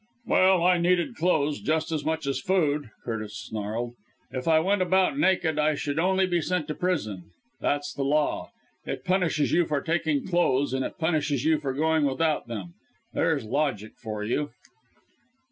"Well, I needed clothes just as much as food!" Curtis snarled. "If I went about naked I should only be sent to prison that's the law. It punishes you for taking clothes, and it punishes you for going without them. There's logic for you!"